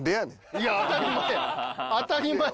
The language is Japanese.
いや当たり前や！